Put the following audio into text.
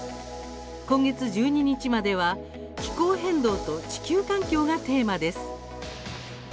今月１２日までは「気候変動」と「地球環境」がテーマです。